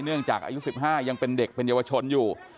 เนื่องจากอายุ๑๕ยังเป็นเด็กเป็นเยาวชนอยู่